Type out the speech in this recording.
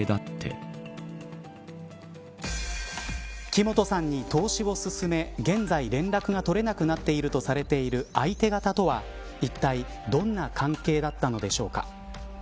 木本さんに投資を勧め現在、連絡が取れなくなっているとされる相手方とは、いったいどんな関係だったのでしょうか。